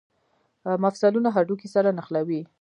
مفصلونه هډوکي سره نښلوي